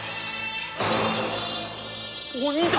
鬼だ！